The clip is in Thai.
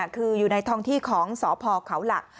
คืออยู่ในท้องที่ของสพเขาหลัก